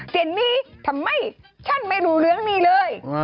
เสียงนี้ทำไมฉันไม่รู้เรื่องนี้เลย